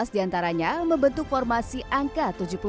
empat belas diantaranya membentuk formasi angka tujuh puluh tujuh